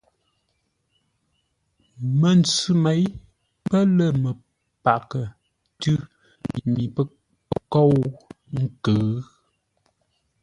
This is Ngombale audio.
Məntsʉ měi pə̂ lə́ məpaghʼə tʉ̌ pə́ kóu nkʉ̌ʉ.